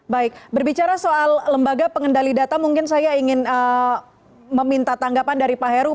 baik berbicara soal lembaga pengendali data mungkin saya ingin meminta tanggapan dari pak heru